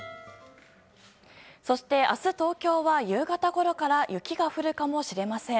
そして明日、東京は夕方ごろから雪が降るかもしれません。